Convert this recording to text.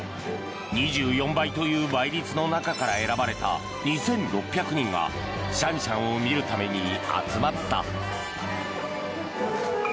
２４倍という倍率の中から選ばれた２６００人がシャンシャンを見るために集まった。